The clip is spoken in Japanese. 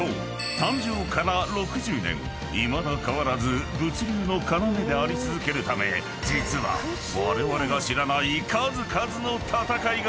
誕生から６０年いまだ変わらず物流の要であり続けるため実はわれわれが知らない数々の闘いが］